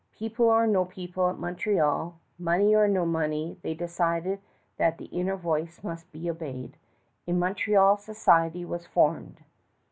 People or no people at Montreal, money or no money, they decided that the inner voice must be obeyed. A Montreal Society was formed.